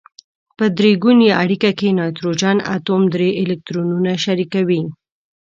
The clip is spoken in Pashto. په درې ګونې اړیکه کې نایتروجن اتوم درې الکترونونه شریکوي.